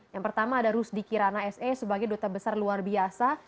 yang pertama ada rusdi kirana se sebagai duta besar luar biasa